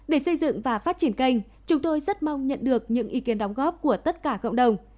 để xây dựng và phát triển kênh chúng tôi rất mong nhận được những ý kiến đóng góp của tất cả cộng đồng